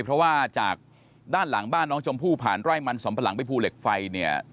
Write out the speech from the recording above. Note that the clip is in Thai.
เพราะว่าจากด้านหลังบ้านน้องชมพู่ผ่านไร่มันสำปะหลังไปภูเหล็กไฟเนี่ย